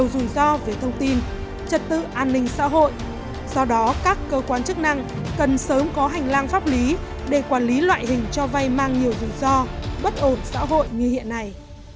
do đó các cơ quan chức năng cần sớm có hành lang pháp lý để quản lý loại hình cho vay mang nhiều rủi ro bất ổn xã hội như hiện nay